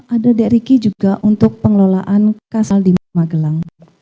ada drk juga untuk pengelolaan kas operasional di magelang